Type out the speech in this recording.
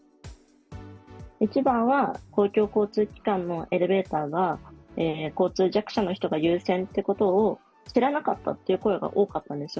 一番は、公共交通機関のエレベーターが、交通弱者の人が優先ということを知らなかったという声が多かったんです。